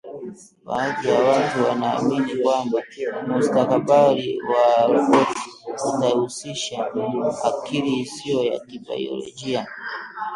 Baadhi ya watu wanaamini kwamba mustakabali wa roboti utahusisha akili isiyo ya kibaiolojia